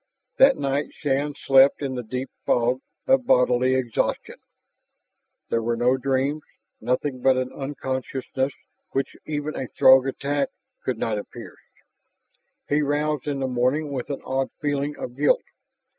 That night Shann slept in the deep fog of bodily exhaustion. There were no dreams, nothing but an unconsciousness which even a Throg attack could not have pierced. He roused in the morning with an odd feeling of guilt.